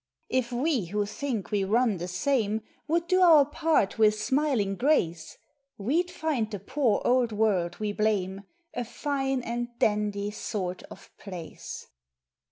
If we who think we run the same Would do our part with smiling grace, We d find the poor old world we blame A fine and dandy sort of place.